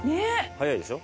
早いでしょ？